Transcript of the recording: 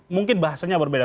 mungkin bahasanya berbeda